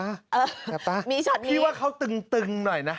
อ่ะฉันตากลัวชอตนี้พี่ว่าเขาตึงหน่อยนะ